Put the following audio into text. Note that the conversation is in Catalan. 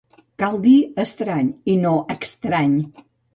Cal dir Estrany i no Extrany